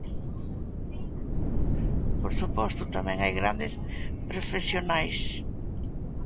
"Por suposto", tamén hai grandes profesionais.